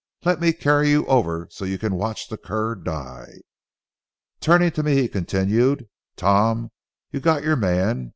Let me carry you over so you can watch the cur die." Turning to me he continued: "Tom, you've got your man.